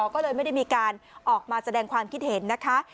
ก็เลยไม่ได้มีการออกมาแสดงความคิดเห็นนะคะ